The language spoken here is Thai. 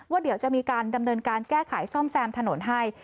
เดี๋ยวจะมีการดำเนินการแก้ไขซ่อมแซมถนนให้